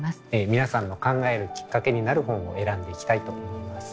皆さんの考えるきっかけになる本を選んでいきたいと思います。